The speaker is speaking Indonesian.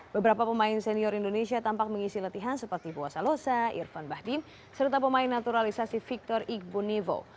beberapa pemain senior indonesia tampak mengisi latihan seperti boa salosa irfan bahdin serta pemain naturalisasi victor igbunivo